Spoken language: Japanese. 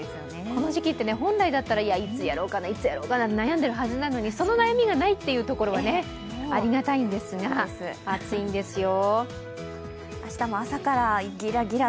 この時期って、本来だったら、いつやろうかと悩んでいるはずなのにその悩みがないというところはありがたいんですが、暑いんですよ。